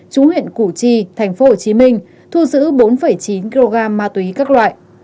trú huyện củ chi thành phố hồ chí minh thu giữ bốn chín kg ma túy các loại